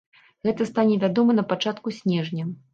Гэта стане вядома на пачатку снежня.